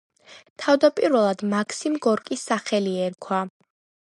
თავდაპირველად მაქსიმ გორკის სახელი ერქვა.